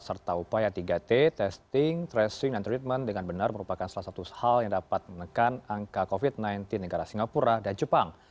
serta upaya tiga t testing tracing dan treatment dengan benar merupakan salah satu hal yang dapat menekan angka covid sembilan belas negara singapura dan jepang